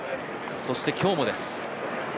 そして、今日もです。